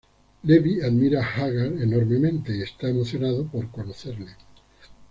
Levi admira a Haggard enormemente y está emocionado por conocerle.